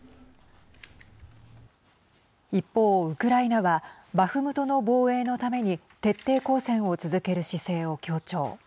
一方、ウクライナはバフムトの防衛のために徹底抗戦を続ける姿勢を強調。